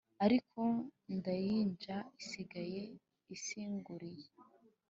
Ariko ndayinja isige insiguriye